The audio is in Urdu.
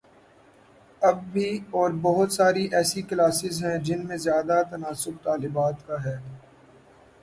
اب بھی ہے اور بہت ساری ایسی کلاسز ہیں جن میں زیادہ تناسب طالبات کا ہے۔